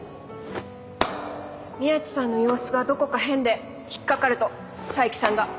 宮地さんの様子がどこか変で引っ掛かると佐伯さんが。